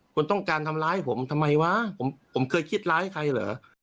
คุณต้องการทำร้ายผมทำไมวะผมเคยคิดร้ายใครเหรอ